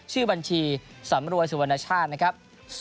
ชื่อบัญชีสำรวยสุวรรณชาตินะครับ